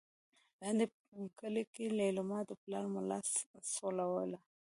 لاندې په کلي کې لېلما د پلار ملا سولوله.